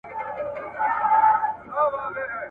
د هغه له معنا او مفهوم څخه عاجز سي !.